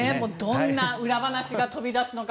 どんな裏話が飛び出すのか